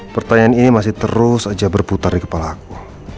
pertanyaan ini masih terus saja berputar di kepala aku